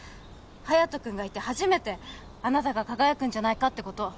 隼人君がいて初めてあなたが輝くんじゃないかってこと